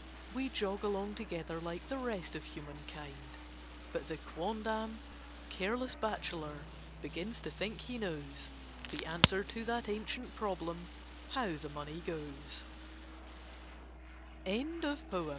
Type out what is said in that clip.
We jog along together, like the rest of human kind: But the quondam "careless bachelor" begins to think he knows The answer to that ancient problem "how the money g